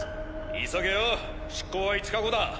急げよ出港は５日後だ。